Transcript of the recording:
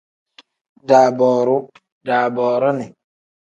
Daabooruu pl: daaboorini n.